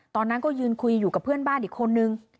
ตอนนั้นก็ยืนคุยอยู่กับเพื่อนบ้านอีกคนนึง